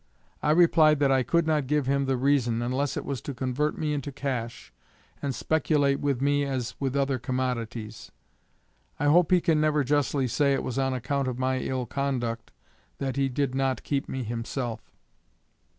I replied that I could not give him the reason, unless it was to convert me into cash, and speculate with me as with other commodities. I hope he can never justly say it was on account of my ill conduct that he did no keep me himself.